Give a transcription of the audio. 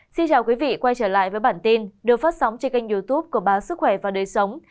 xin chào quý vị quay trở lại với bản tin được phát sóng trên kênh youtube của báo sức khỏe và đời sống